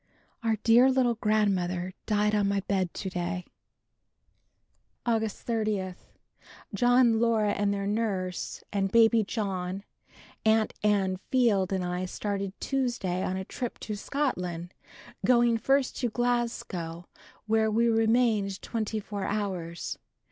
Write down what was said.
Our dear little Grandmother died on my bed to day." August 30. John, Laura and their nurse and baby John, Aunt Ann Field and I started Tuesday on a trip to Scotland, going first to Glasgow where we remained twenty four hours.